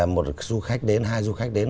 một du khách đến hai du khách đến